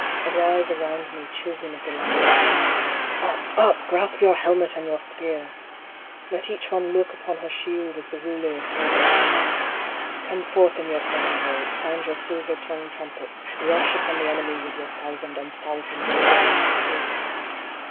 Arise around me. chil dren of the Land Unknown. Up, up, grasp your helmet and your spear ! Let each one look upon her shield as the ruler of War. Come forth in your purple robes, sound your silver tongue trumpets ; Rush upon the enemy with your thousand and thousands of burnished spears